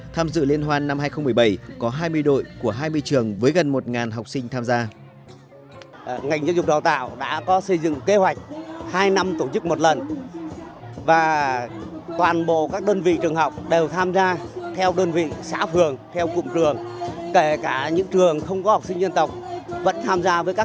tham dự liên hoan năm hai nghìn một mươi bảy có hai mươi đội của hai mươi trường với gần một học sinh tham gia